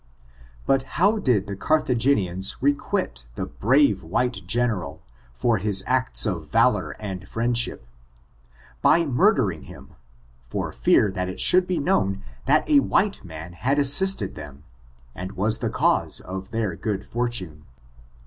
But how did the Carthagenians requite the brave white general, for his acts of valor and friendship ? By murdering him, for fear that it should be known that a white man had assisted them, and was the cause of their good fortune.